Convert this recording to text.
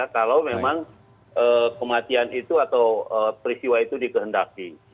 kalau memang kematian itu atau peristiwa itu dikehendaki